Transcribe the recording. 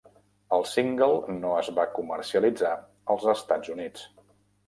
El single no es va comercialitzar als Estats Units.